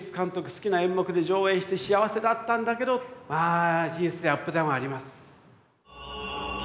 好きな演目で上演して幸せだったんだけどまあ人生アップダウンはあります。